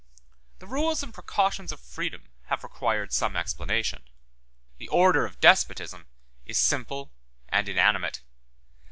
The rules and precautions of freedom have required some explanation; the order of despotism is simple and inanimate.